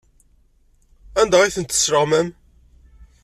Anda ay tent-tesleɣmam?